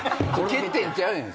欠点ちゃうねんそれは。